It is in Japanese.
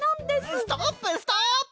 ストップストップ！